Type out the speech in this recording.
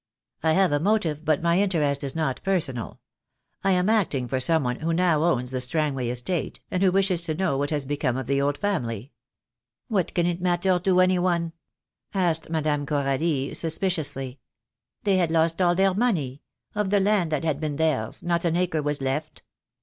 "I have a motive, but my interest is not personal. I am acting for some one who now owns the Strangway estate, and who wishes to know what has become of the old family." "What can it matter to any one?" asked Madame Coralie, suspiciously. "They had lost all their money — of the land that had been theirs not an acre was left.